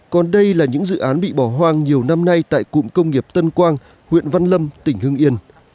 còn đây là những dự án bị bỏ hoang nhiều năm nay tại cụm công nghiệp tân quang huyện văn lâm tỉnh hưng yên